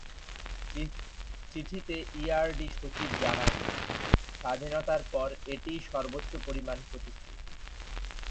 চিঠিতে ইআরডিসচিব জানান, স্বাধীনতার পর এটিই সর্বোচ্চ পরিমাণ প্রতিশ্রুতি।